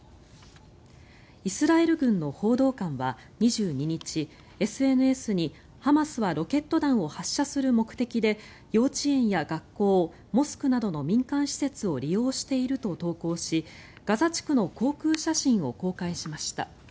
イスラエル軍の報道官は２２日ＳＮＳにハマスはロケット弾を発射する目的で幼稚園や学校、モスクなどの民間施設を利用していると投稿しガザ地区の航空写真を公開しました。